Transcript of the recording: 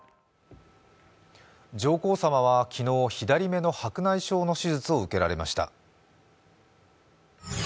上皇さまは昨日、左目の白内障の手術を受けられました。